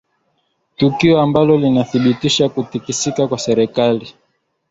tukio ambalo linadhibitisha kutikisika kwa serikali